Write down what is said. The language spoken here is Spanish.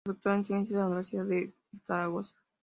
Se doctoró en Ciencias por la Universidad de Zaragoza.